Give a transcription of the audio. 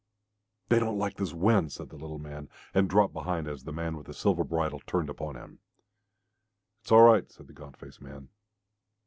"They don't like this wind," said the little man, and dropped behind as the man with the silver bridle turned upon him. "It's all right," said the gaunt faced man.